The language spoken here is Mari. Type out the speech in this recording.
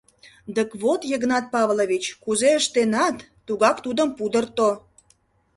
Дык вот, Йыгнат Павлович, кузе ыштенат, тугак Тудым пудырто.